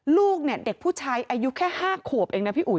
ลูกเนี่ยเด็กผู้ชายอายุแค่๕ขวบเองนะพี่อุ๋